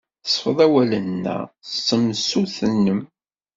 Sfeḍ awalen-a s tsemsut-nnem.